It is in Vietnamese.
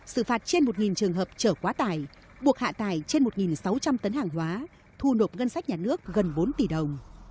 xử phạt trên một trường hợp trở quá tải buộc hạ tải trên một sáu trăm linh tấn hàng hóa thu nộp ngân sách nhà nước gần bốn tỷ đồng